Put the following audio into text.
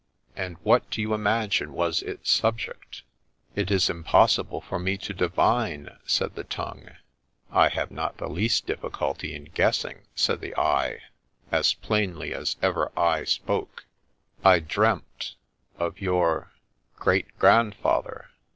And what do you imagine was its subject ?'' It is impossible for me to divine,' said the tongue ;—' I have not the least difficulty in guessing,' said the eye, as plainly as ever eye spoke. ' I dreamt — of your great grandfather